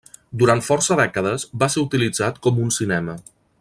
Durant força dècades va ser utilitzat com un cinema.